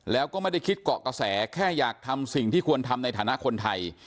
แล้วก็ไม่ได้คิดเกาะกระแสแค่อยากทำสิ่งที่ควรทำในฐานะคนไทย